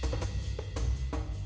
semoga hari ini berjalan baik